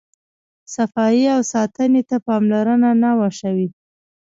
صفایي او ساتنې ته پاملرنه نه وه شوې.